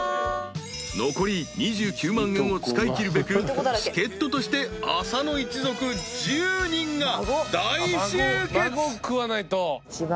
［残り２９万円を使いきるべく助っ人として浅野一族１０人が大集結］